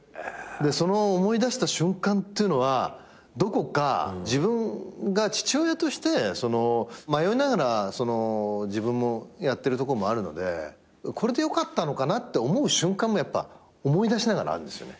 その思い出した瞬間っていうのはどこか自分が父親として迷いながら自分もやってるとこもあるのでこれでよかったのかなって思う瞬間も思い出しながらあるんですよね。